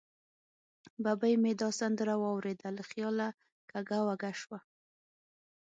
ببۍ مې دا سندره واورېده، له خیاله کږه وږه شوه.